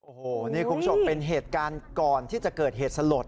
โอ้โหนี่คุณผู้ชมเป็นเหตุการณ์ก่อนที่จะเกิดเหตุสลด